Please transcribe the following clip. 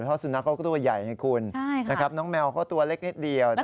เพราะสุนัขเขาก็ตัวใหญ่ไงคุณใช่ค่ะนะครับน้องแมวเขาตัวเล็กนิดเดียวนะครับ